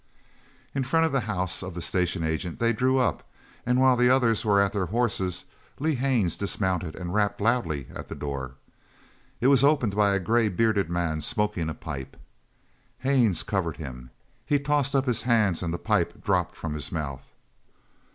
In front of the house of the station agent they drew up, and while the others were at their horses, Lee Haines dismounted and rapped loudly at the door. It was opened by a grey bearded man smoking a pipe. Haines covered him. He tossed up his hands and the pipe dropped from his mouth.